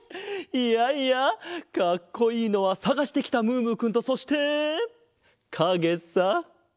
いやいやかっこいいのはさがしてきたムームーくんとそしてかげさ。